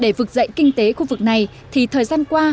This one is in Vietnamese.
để vực dậy kinh tế khu vực này thì thời gian qua